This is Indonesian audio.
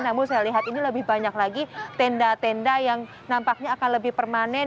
namun saya lihat ini lebih banyak lagi tenda tenda yang nampaknya akan lebih permanen